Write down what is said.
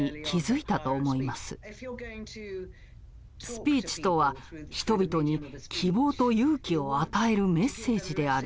スピーチとは人々に希望と勇気を与えるメッセージである。